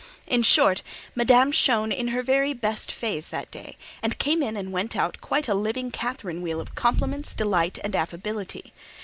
In short, Madame shone in her very best phase that day, and came in and went out quite a living catherine wheel of compliments, delight, and affability.